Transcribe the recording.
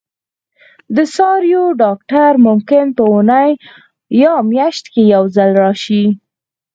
د څارویو ډاکټر ممکن په اونۍ یا میاشت کې یو ځل راشي